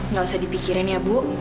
nggak usah dipikirin ya bu